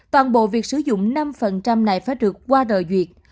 toàn bộ việc sử dụng năm này phải được walter duyệt